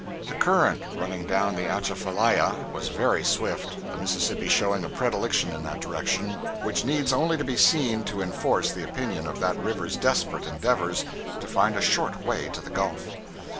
The current running down the Atchafalaya was very swift, the Mississippi showing a predilection in that direction, which needs only to be seen to enforce the opinion of that river's desperate endeavors to find a short way to the Gulf.